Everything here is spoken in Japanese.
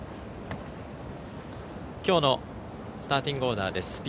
きょうのスターティングオーダーです。